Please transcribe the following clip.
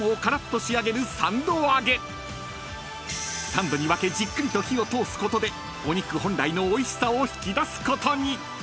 ［三度に分けじっくりと火を通すことでお肉本来のおいしさを引き出すことに］